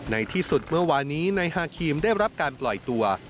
ในที่สุดเมื่อวานี้นายฮาครีมได้รับการปล่อยตัว